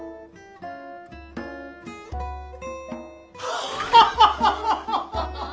ハハハハハハッ！